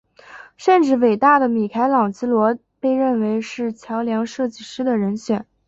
甚至伟大的米开朗基罗被认为是桥梁设计师的人选。